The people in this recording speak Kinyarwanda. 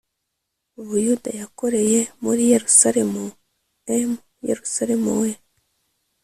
Buyuda yakoreye muri Yerusalemu m Yerusalemu we